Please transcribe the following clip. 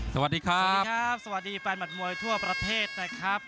สวัสดีครับสวัสดีครับสวัสดีแฟนมัดมวยทั่วประเทศนะครับ